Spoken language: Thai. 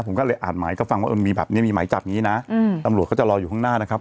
ผมก็เลยอ่านหมายก็ฟังว่าเออมีแบบนี้มีหมายจับอย่างนี้นะตำรวจเขาจะรออยู่ข้างหน้านะครับ